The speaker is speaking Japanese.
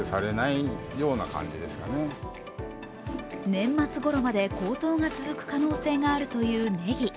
年末ごろまで高騰が続く可能性があるというねぎ。